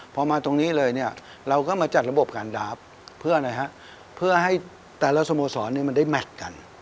พอมาตรงนี้เราก็มาจัดระบบการดราฟเพื่อให้แต่ละสโมสรมันได้แมทกัน